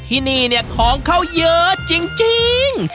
ที่นี่เนี่ยของเขาเยอะจริง